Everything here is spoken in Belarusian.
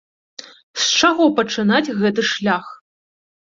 З чаго пачынаць гэты шлях?